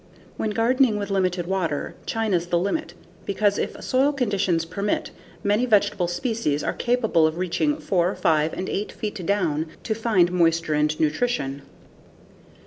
When gardening with limited water, China's the limit, because if soil conditions permit, many vegetable species are capable of reaching 4, 5, and 8 eight feet down to find moisture and nutrition.